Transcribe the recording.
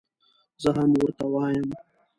زه هم ورته وایم.